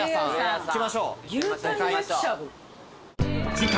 ［次回］